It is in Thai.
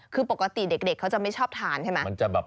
คือปกติเด็กเขาจะไม่ชอบทานใช่ไหม